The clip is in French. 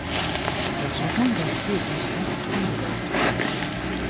Leur changement d’identité est constant tout au long de l’œuvre.